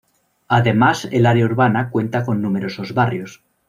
Además el área urbana cuenta con numerosos barrios.